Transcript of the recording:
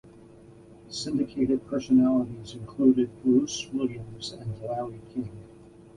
Syndicated personalities included Bruce Williams and Larry King.